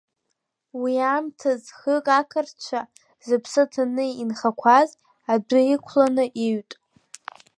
Уи аамҭаз хҩык ақырҭцәа, зыԥсы ҭаны инхақәаз, адәы иқәланы иҩт.